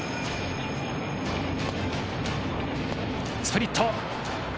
スプリット。